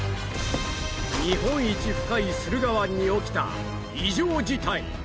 日本一深い駿河湾に起きた異常事態